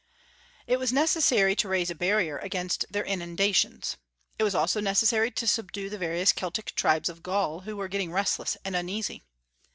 It was necessary to raise a barrier against their inundations. It was also necessary to subdue the various Celtic tribes of Gaul, who were getting restless and uneasy.